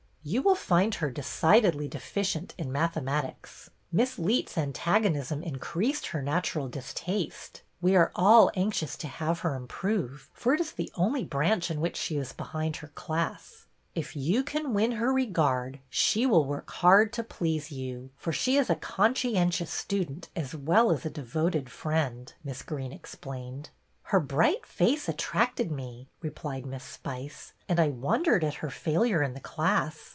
"You will find her decidedly deficient in mathematics. Miss Leet's antagonism in creased her natural distaste. We are all anxious to have her improve, for it is the only branch in which she is behind her class. If you can win her regard she will work hard to please you, for she is a conscientious stu dent as well as a devoted friend," Miss Greene explained. " Her bright face attracted me," replied Miss Spice, "and I wondered at her failure in the class.